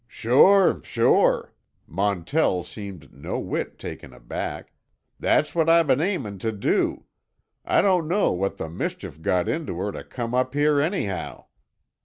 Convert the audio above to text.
"Sure, sure," Montell seemed no whit taken aback, "that's what I been aimin' to do. I don't know what the mischief got into her to come up here, anyhow.